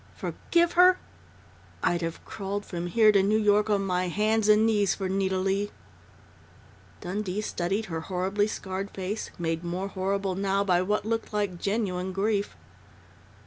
Forgive her? I'd have crawled from here to New York on my hands and knees for Nita Leigh!" Dundee studied her horribly scarred face, made more horrible now by what looked like genuine grief.